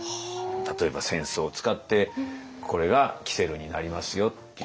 例えば扇子を使ってこれが煙管になりますよっていう。